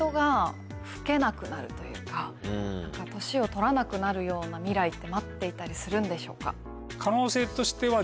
というか年を取らなくなるような未来って待っていたりするんでしょうか？